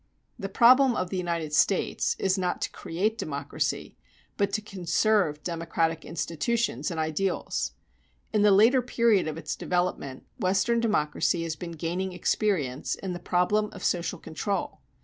The problem of the United States is not to create democracy, but to conserve democratic institutions and ideals. In the later period of its development, Western democracy has been gaining experience in the problem of social control.